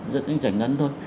giúp anh giải ngân thôi